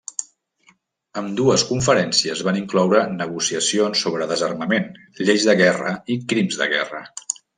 Ambdues conferències van incloure negociacions sobre desarmament, lleis de guerra i crims de guerra.